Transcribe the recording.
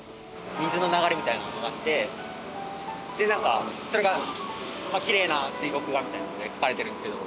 水の流れみたいなものがあってでなんかそれがきれいな水墨画みたいなので描かれてるんですけど。